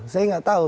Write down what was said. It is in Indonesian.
saya nggak tahu